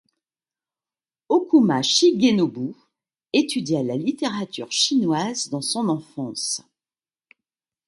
Ōkuma Shigenobu étudia la littérature chinoise dans son enfance.